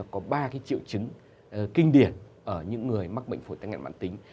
có ba triệu chứng kinh điển ở những người mắc bệnh phổi tắc nghén mạng tính